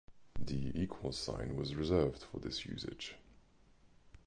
The equals sign was reserved for this usage.